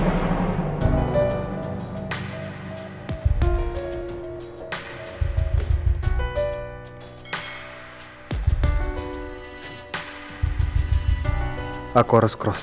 tapi sekarang famine